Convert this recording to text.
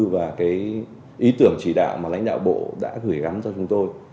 và ý tưởng chỉ đạo mà lãnh đạo bộ đã gửi gắn cho chúng tôi